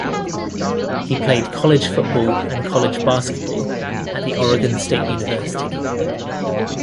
He played college football and college basketball at the Oregon State University.